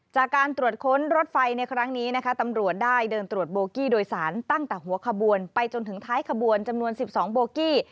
จากการตรวจค้นรถไฟในครั้งนี้นะคะตำรวจได้เดินตรวจโบกี้โดยสารตั้งแต่หัวขบวนไปจนถึงท้ายขบวนจำนวน๑๒โบกี้